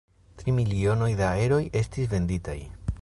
Tri milionoj da eroj estis venditaj.